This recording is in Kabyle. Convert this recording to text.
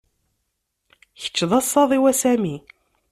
Kečč d asaḍ-iw, a Sami.